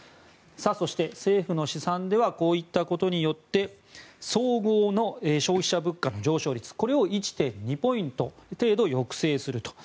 そして、政府の試算ではこういったことによって総合の消費者物価の上昇率これを１．２ポイント程度抑制すると。